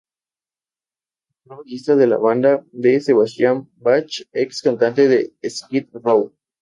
Actual bajista de la banda de Sebastian Bach, ex cantante de Skid Row.